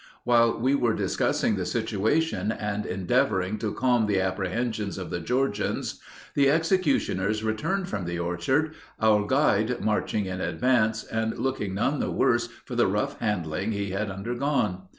While we were discussing the situation and endeavoring to calm the apprehensions of the Georgians, the executioners returned from the orchard, our guide marching in advance and looking none the worse for the rough handling he had undergone.